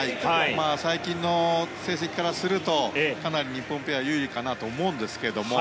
最近の成績からするとかなり日本ペアが有利かなと思うんですけれども。